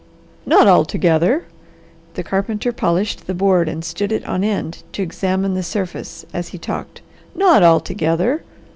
"Not altogether!" The carpenter polished the board and stood it on end to examine the surface as he talked. "Not altogether!